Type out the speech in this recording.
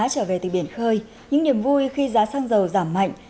trở về từ biển khơi những niềm vui khi giá xăng dầu giảm mạnh